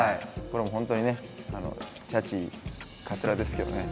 これも本当にねちゃちいかつらですけどね。